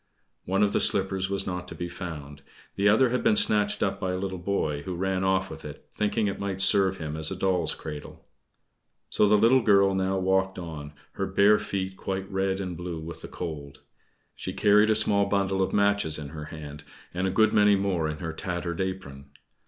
One of the slippers was not to be found; the other had been snatched up by a little boy, who ran off with it thinking it might serve him as a doll's cradle. So the little girl now walked on, her bare feet quite red and blue with the cold. She carried a small bundle of matches in her hand, and a good many more in her tattered apron.